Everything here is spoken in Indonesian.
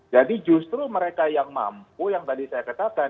jadi justru mereka yang mampu yang tadi saya katakan